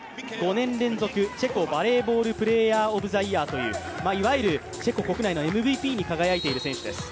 ５年連続、チェコ・バレーボール・プレーヤー・オブ・ザ・イヤーといういわゆるチェコ国内のＭＶＰに輝いている選手です。